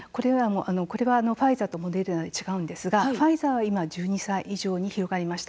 これはファイザーとモデルナで違うんですが、ファイザーは今１２歳以上に広がりました。